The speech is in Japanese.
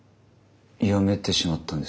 やめてしまったんですか？